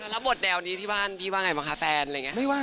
แล้วบทแนวนี้ที่บ้านพี่ว่าไงบ้างคะแฟนอะไรอย่างนี้